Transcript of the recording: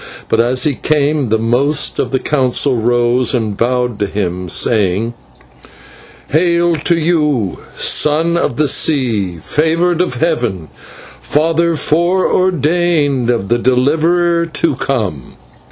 But as he came the most of the Council rose and bowed to him, crying: "Hail to you! Son of the Sea, Favoured of Heaven, Father fore ordained of the Deliverer to come!"